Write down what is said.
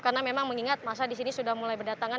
karena memang mengingat masa di sini sudah mulai berdatangan